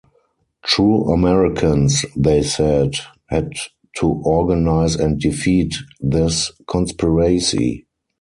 True Americans, they said, had to organize and defeat this conspiracy.